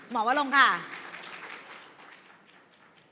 หมอวะลงค่ะ